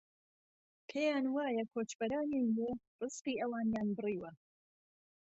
پێیانوایە کۆچبەرانی نوێ رزقی ئەوانیان بڕیوە